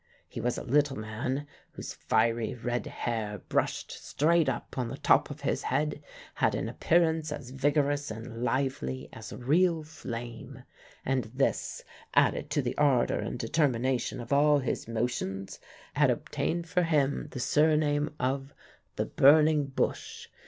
He was a little man, whose fiery red hair, brushed straight up on the top of his head, had an appearance as vigorous and lively as real flame; and this, added to the ardor and determination of all his motions, had obtained for him the surname of the "Burning Bush."